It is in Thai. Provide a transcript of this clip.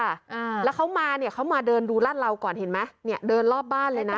อ่าแล้วเขามาเนี้ยเขามาเดินดูรัดเราก่อนเห็นไหมเนี่ยเดินรอบบ้านเลยนะ